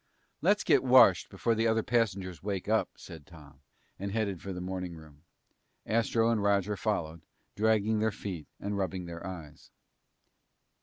"Let's get washed before the other passengers wake up," said Tom, and headed for the morning room. Astro and Roger followed, dragging their feet and rubbing their eyes.